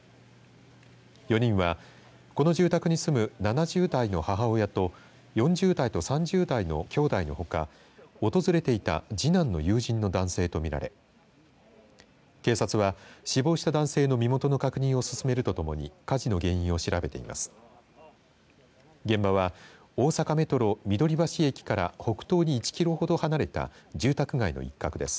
４人はこの住宅に住む７０代の母親と４０代と３０代の兄弟のほか訪れていた次男の友人の男性と見られ警察は、死亡した男性の身元の確認を進めるとともに火事の原因を調べています。